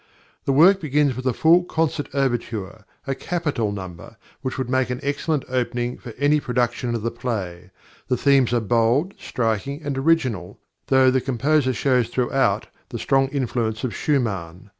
The work begins with a full concert overture, a capital number, which would make an excellent opening for any production of the play. The themes are bold, striking, and original, though the composer shows throughout the strong influence of Schumann.